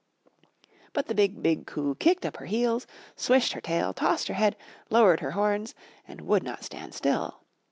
But the BIG, BIG COO kicked up her heels, swished her tail, tossed her head, lowered her horns, and would not stand still.